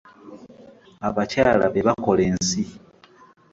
Abakyala be bakola ensi.